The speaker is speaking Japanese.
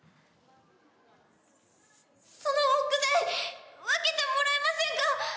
その木材分けてもらえませんか？